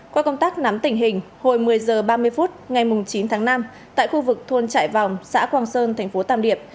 qua công tác nắm tình hình hồi một mươi h ba mươi phút ngày chín tháng năm tại khu vực thuôn trại vòng xã quang sơn tp tàm điệp